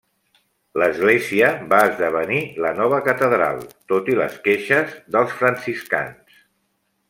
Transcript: L'església va esdevenir la nova catedral, tot i les queixes dels franciscans.